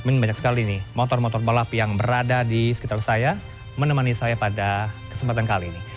mungkin banyak sekali nih motor motor balap yang berada di sekitar saya menemani saya pada kesempatan kali ini